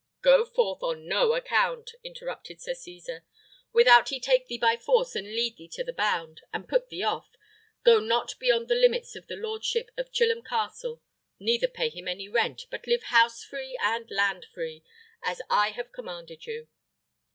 "Go forth on no account!" interrupted Sir Cesar. "Without he take thee by force and lead thee to the bound, and put thee off, go not beyond the limits of the lordship of Chilham Castle; neither pay him any rent, but live house free and land free, as I have commanded you."